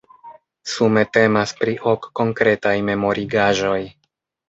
Sume temas pri ok konkretaj memorigaĵoj.